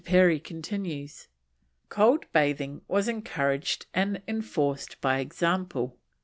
Perry continues: "Cold bathing was encouraged and enforced by example.